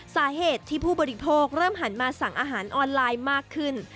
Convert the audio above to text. สาเหตุที่ผู้บริโภคเริ่มหันมาสั่งอาหารออนไลน์มากขึ้น